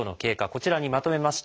こちらにまとめました。